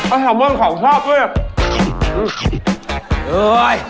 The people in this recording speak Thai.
อ้าวสาวมันของชอบด้วย